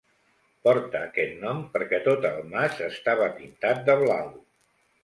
Porta aquest nom perquè tot el mas estava pintat de blau.